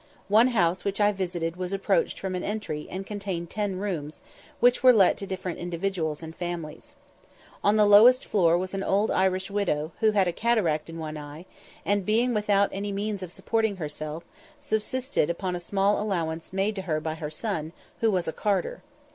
One house which I visited was approached from an entry, and contained ten rooms, which were let to different individuals and families. On the lowest floor was an old Irish widow, who had a cataract in one eye, and, being without any means of supporting herself, subsisted upon a small allowance made to her by her son, who was a carter.